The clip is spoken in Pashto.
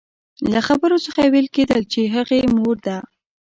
له خبرو څخه يې ويل کېدل چې هغې مور ده.